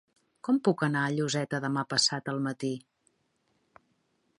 Com puc anar a Lloseta demà passat al matí?